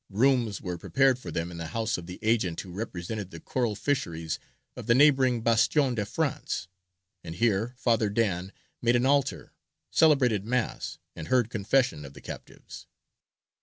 Rooms were prepared for them in the house of the agent who represented the coral fisheries of the neighbouring Bastion de France; and here Father Dan made an altar, celebrated Mass, and heard confession of the captives.